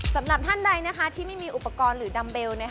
สำหรับท่านใดที่ไม่มีอุปกรณ์หรือดัมเบล